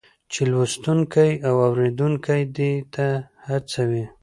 چې لوستونکی او اورېدونکی دې ته هڅوي